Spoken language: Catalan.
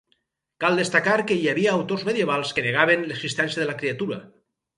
Cal destacar que hi havia autors medievals que negaven l'existència de la criatura.